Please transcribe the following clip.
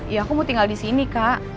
ya aku mau tinggal di sini kak